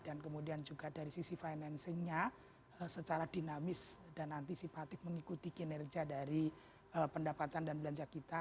dan kemudian juga dari sisi financingnya secara dinamis dan antisipatif mengikuti kinerja dari pendapatan dan belanja kita